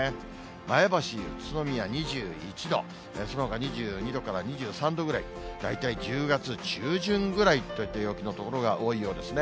前橋、宇都宮２１度、そのほか２２度から２３度ぐらい、大体１０月中旬ぐらいといった陽気の所が多いようですね。